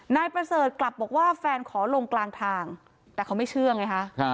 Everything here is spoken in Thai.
นายประเสริฐกลับบอกว่าแฟนขอลงกลางทางแต่เขาไม่เชื่อไงฮะ